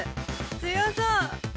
強そう